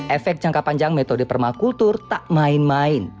efek jangka panjang metode permakultur tak main main